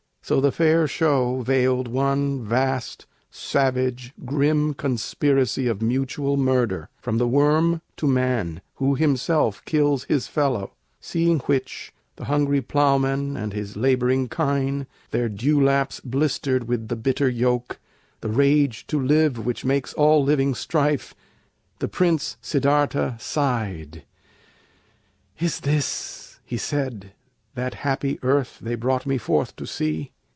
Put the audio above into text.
So the fair show Veiled one vast, savage, grim conspiracy Of mutual murder, from the worm to man, Who himself kills his fellow; seeing which The hungry plowman and his laboring kine, Their dewlaps blistered with the bitter yoke, The rage to live which makes all living strife The Prince Siddârtha sighed. "Is this," he said, "That happy earth they brought me forth to see?